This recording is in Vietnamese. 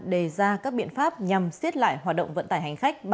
đề ra các biện pháp nhằm xiết lại hoạt động vận tải hành khách